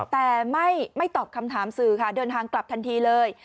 แต่ไม่ตอบคำถามสื่อค่ะเดินทางกลับทันทีเลย